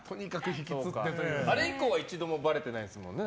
あれ以降は一度もばれてないんですもんね？